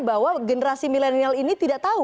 bahwa generasi milenial ini tidak tahu